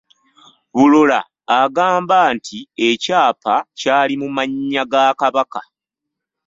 Bulola agamba nti ekyapa kyali mu mannya ga Kabaka